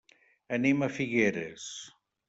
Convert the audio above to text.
Anem a Figueres.